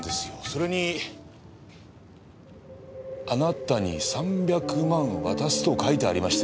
それにあなたに３００万渡すと書いてありましてね。